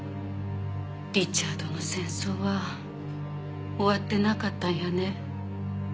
リチャードの戦争は終わってなかったんやね。